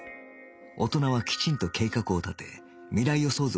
大人はきちんと計画を立て未来予想図を描くのだ